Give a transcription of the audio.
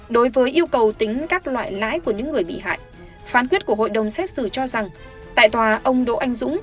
đối với yêu cầu tính các loại lãi của những người bị hại phán quyết của hội đồng xét xử cho rằng tại tòa ông đỗ anh dũng